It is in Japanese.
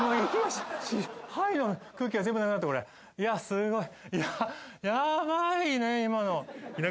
いやすごい。